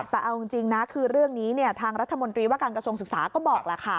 แต่เอาจริงนะคือเรื่องนี้ทางรัฐมนตรีว่าการกระทรวงศึกษาก็บอกแหละค่ะ